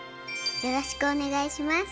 よろしくお願いします。